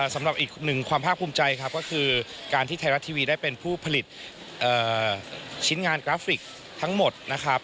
สำหรับอีกหนึ่งความภาคภูมิใจครับก็คือการที่ไทยรัฐทีวีได้เป็นผู้ผลิตชิ้นงานกราฟิกทั้งหมดนะครับ